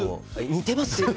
似てます？